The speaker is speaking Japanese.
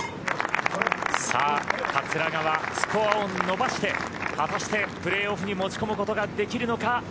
桂川、スコアを伸ばして果たしてプレーオフに持ち込むことができるのか。